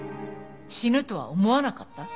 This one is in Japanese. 「死ぬとは思わなかった」？